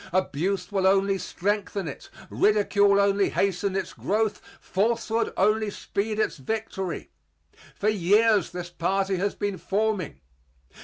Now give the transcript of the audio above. Abuse will only strengthen it, ridicule only hasten its growth, falsehood only speed its victory. For years this party has been forming.